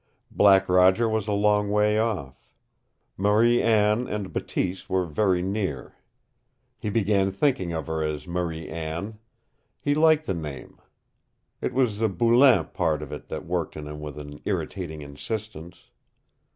Black Roger was a long way off. Marie Anne and Bateese were very near. He began thinking of her as Marie Anne. He liked the name. It was the Boulain part of it that worked in him with an irritating insistence.